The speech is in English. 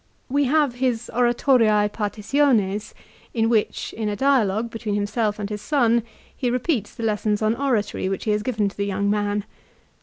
We have his " Oratoriae Partitiones," in which, in a dialogue between himself and his son, he repeats the lessons on oratory which he has given to the young man.